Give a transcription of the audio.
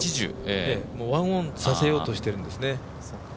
もう、１オンさせようとしてるんですね。